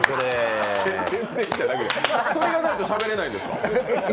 それがないとしゃべれないんですか。